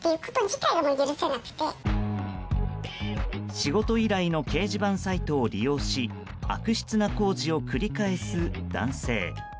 仕事依頼の掲示板サイトを利用し悪質な工事を繰り返す男性。